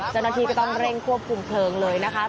เป็นตอนเร่งควบคุมเคริงเลยนะคะ